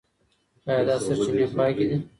ايا دا سرچينې پاکي دي؟